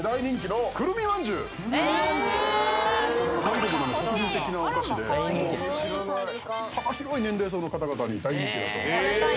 韓国の国民的なお菓子で幅広い年齢層の方々に大人気。